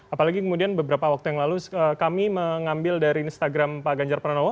apalagi kemudian beberapa waktu yang lalu kami mengambil dari instagram pak ganjar pranowo